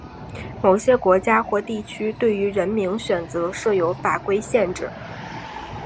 某些国家或地区对于人名选择设有法规限制。